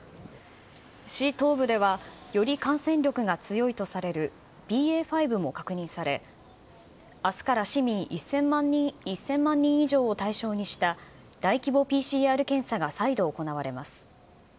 市東部では、より感染力が強いとされるＢＡ．５も確認され、あすから市民１０００万人以上を対象にした大規模ＰＣＲ検査が再度行われます。